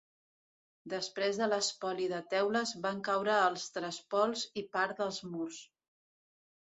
Després de l’espoli de teules van caure els trespols i part dels murs.